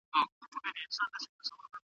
په لویه جرګه کي د لمانځه ځای چېرته دی؟